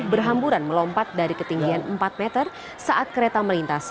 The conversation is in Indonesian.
berhamburan melompat dari ketinggian empat meter saat kereta melintas